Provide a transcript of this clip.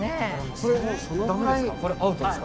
これ駄目ですか？